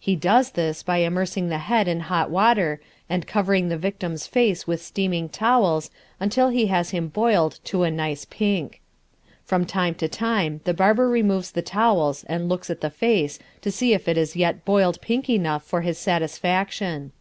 He does this by immersing the head in hot water and covering the victim's face with steaming towels until he has him boiled to a nice pink. From time to time the barber removes the towels and looks at the face to see if it is yet boiled pink enough for his satisfaction.